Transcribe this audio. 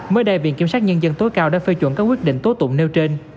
mới đây viện kiểm sát nhân dân tối cao đã phê chuẩn các quyết định tố tụng nêu trên